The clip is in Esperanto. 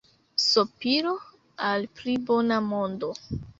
Sopiro al pli bona mondo.